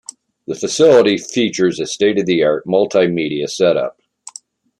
The facility features a state-of-the-art multi-media setup.